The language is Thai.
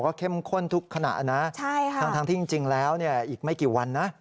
เข้มข้นทุกขณะนะทั้งที่จริงแล้วเนี่ยอีกไม่กี่วันนะ